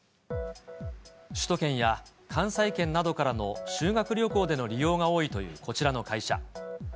首都圏や関西圏などからの修学旅行での利用が多いというこちらの会社。